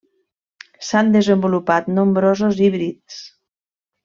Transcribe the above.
S'han desenvolupat nombrosos híbrids.